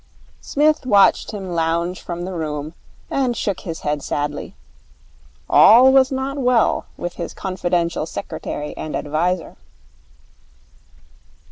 Psmith watched him lounge from the room, and shook his head sadly. All was not well with his confidential secretary and adviser.